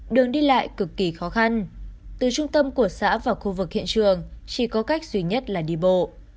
đường đi lại cực kỳ khó khăn từ trung tâm của xã vào khu vực hiện trường chỉ có cách duy nhất là đi bộ